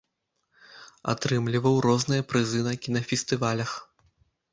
Атрымліваў розныя прызы на кінафестывалях.